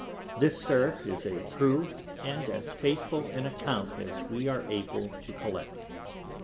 This, Sir, is as true, and as faithful an account as we are able to collect.